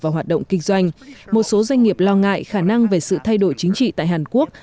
và hoạt động kinh doanh một số doanh nghiệp lo ngại khả năng về sự thay đổi chính trị tại hàn quốc